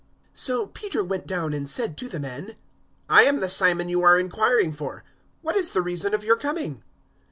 010:021 So Peter went down and said to the men, "I am the Simon you are inquiring for. What is the reason of your coming?"